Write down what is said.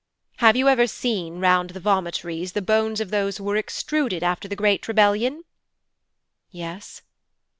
'Have you ever seen, round the vomitories, the bones of those who were extruded after the Great Rebellion?' 'Yes.'